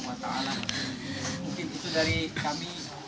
mungkin itu dari kami